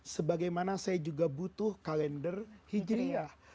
sebagaimana saya juga butuh kalender hijriah